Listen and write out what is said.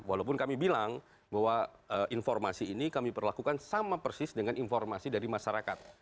walaupun kami bilang bahwa informasi ini kami perlakukan sama persis dengan informasi dari masyarakat